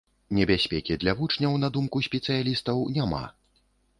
Небяспекі для вучняў, на думку спецыялістаў, няма.